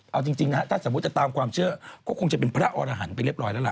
เอาจริงนะฮะถ้าสมมุติจะตามความเชื่อก็คงจะเป็นพระอรหันต์ไปเรียบร้อยแล้วล่ะ